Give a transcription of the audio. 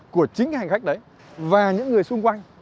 của chính hành khách đấy và những người xung quanh